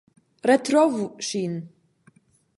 Retrovu ŝin!